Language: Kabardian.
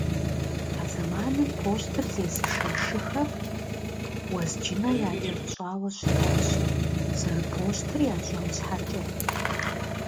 А зэманым пощтыр зезышэ шыхэм уэзджынэ якӏэрыщӏауэ щытащ, зэрыпощтыр ящӏэн щхьэкӏэ.